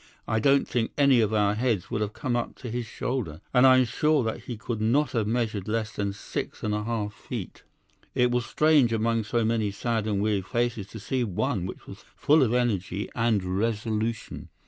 I don't think any of our heads would have come up to his shoulder, and I am sure that he could not have measured less than six and a half feet. It was strange among so many sad and weary faces to see one which was full of energy and resolution.